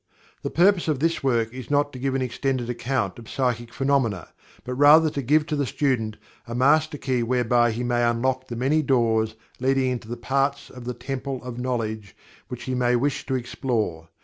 The purpose of this work is not to give an extended account of psychic phenomena but rather to give to the student a master key whereby He may unlock the many doors leading into the parts of the Temple of Knowledge which he may wish to explore.